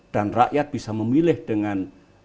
dan rakyat bisa memilih dengan